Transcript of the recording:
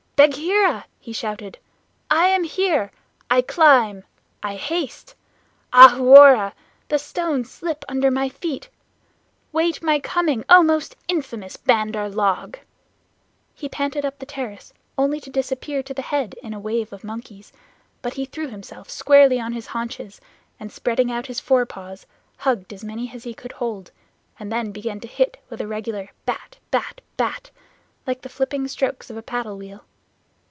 "Bagheera," he shouted, "I am here. I climb! I haste! Ahuwora! The stones slip under my feet! Wait my coming, O most infamous Bandar log!" He panted up the terrace only to disappear to the head in a wave of monkeys, but he threw himself squarely on his haunches, and, spreading out his forepaws, hugged as many as he could hold, and then began to hit with a regular bat bat bat, like the flipping strokes of a paddle wheel.